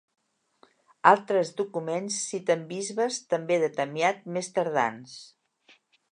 Altres documents citen bisbes també de Tamiat més tardans.